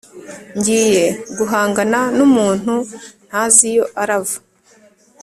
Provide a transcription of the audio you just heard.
ngiye guhangana numuntu ntazi iyo arava